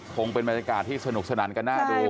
คงเป็นบรรยากาศที่สนุกสนานกันน่าดู